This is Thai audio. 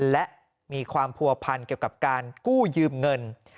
และมีความผัวพันเกี่ยวกับการกู้ยืมเงิน